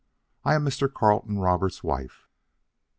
I am Mr. Carleton Roberts' wife."